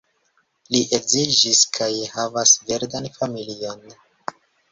Li edziĝis kaj havas verdan familion.